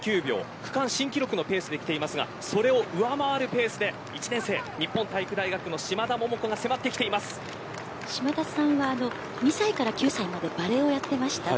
区間新記録のペースできていますがそれを上回るペースで１年生日本体育大学の嶋田桃子が嶋田さんは２歳から９歳までバレエをやっていました。